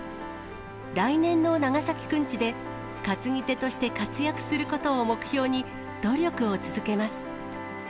来年の長崎くんちで、担ぎ手として活躍することを目標に、努力を続けます。